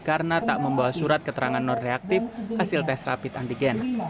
karena tak membawa surat keterangan non reaktif hasil tes rapid antigen